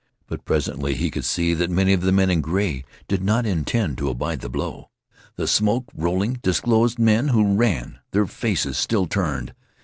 But presently he could see that many of the men in gray did not intend to abide the blow. The smoke, rolling, disclosed men who ran, their faces still turned.